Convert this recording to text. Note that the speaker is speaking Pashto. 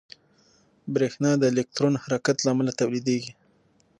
برېښنا د الکترون حرکت له امله تولیدېږي.